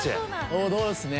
王道ですね。